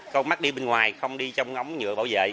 câu mắt đi bên ngoài không đi trong ngóng nhựa bảo vệ